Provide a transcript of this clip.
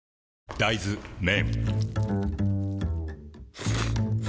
大豆麺